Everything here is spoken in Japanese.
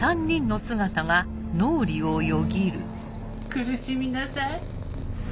苦しみなさい。